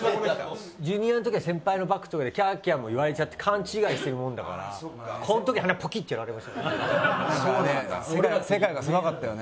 Ｊｒ．の時は先輩のバックとかでキャーキャーも言われちゃって勘違いしてるもんだからこの時鼻ポキッてやられました。